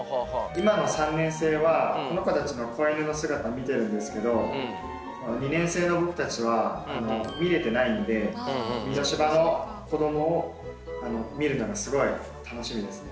今の３年生はこの子たちの子犬の姿を見てるんですけど２年生の僕たちは見れてないので美濃柴犬の子どもを見るのがすごい楽しみですね。